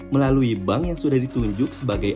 melalui bank yang sudah ditunjuk sebagai